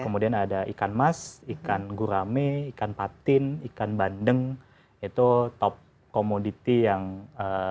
kemudian ada ikan mas ikan gurame ikan patin ikan bandeng itu top commodity yang ee